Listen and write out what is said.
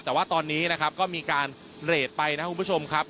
แต่ว่าตอนนี้นะครับก็มีการเรทไปนะครับคุณผู้ชมครับ